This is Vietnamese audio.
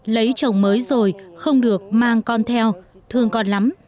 lấy chồng mới rồi không được mang con theo thương con lắm